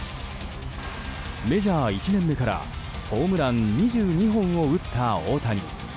メジャー１年目からホームラン２２本を打った大谷。